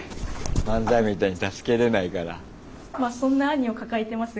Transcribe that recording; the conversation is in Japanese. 漫才みたいに助けれないから。